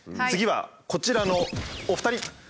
次はこちらのお二人。